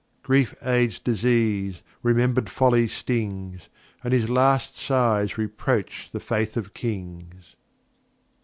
Grief aids Disease, remember'd Folly stings, And his last Sighs reproach the Faith of Kings.